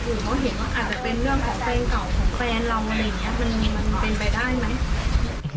ผมก็เห็นว่าอาจจะเป็นเรื่องของแฟนเก่าของแฟนเรามันเป็นไปได้ไหม